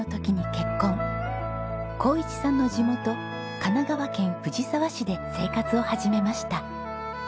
紘一さんの地元神奈川県藤沢市で生活を始めました。